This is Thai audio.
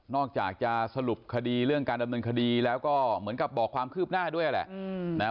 อกจากจะสรุปคดีเรื่องการดำเนินคดีแล้วก็เหมือนกับบอกความคืบหน้าด้วยแหละ